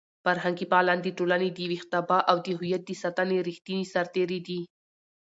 فرهنګي فعالان د ټولنې د ویښتابه او د هویت د ساتنې ریښتیني سرتېري دي.